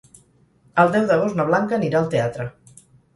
El deu d'agost na Blanca anirà al teatre.